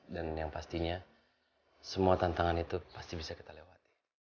dan yang pastinya semua tantangan itu pasti bisa kita lewat